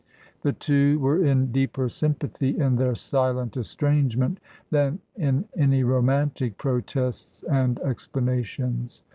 The two were in deeper sympathy in their silent estrangement than in any romantic protests and explanations.